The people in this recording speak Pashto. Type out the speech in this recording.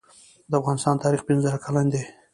د افغانستان تاریخ پنځه زره کلن دی